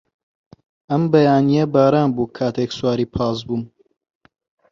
ئەم بەیانییە باران بوو کاتێک سواری پاس بووم.